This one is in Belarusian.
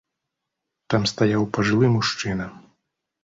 Там стаяў пажылы мужчына.